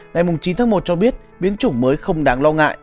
ngày chín tháng một cho biết biến chủng mới không đáng lo ngại